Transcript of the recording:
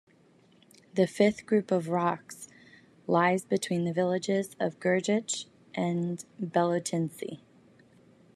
The fifth group of rocks lies between the villages of Gyurgich and Belotintsi.